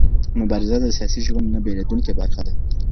مبارزه د سياسي ژوند نه بېلېدونکې برخه ده.